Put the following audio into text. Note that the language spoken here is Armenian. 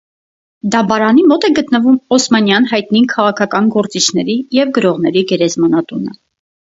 Դամբարանի մոտ է գտնվում օսմանյան հայտնի քաղաքական գործիչների և գրողների գերեզմանատունը։